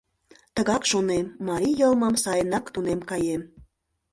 — Тыгак шонем: марий йылмым сайынак тунем каем.